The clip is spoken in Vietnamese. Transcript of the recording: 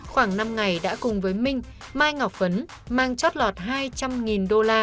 khoảng năm ngày đã cùng với minh mai ngọc phấn mang chót lọt hai trăm linh đô la